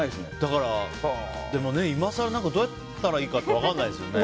でも今更どうやったらいいかって分からないですよね。